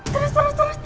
terus terus terus